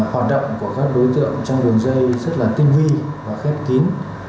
hoạt động của các đối tượng trong đường dây rất là tinh vi và khép kín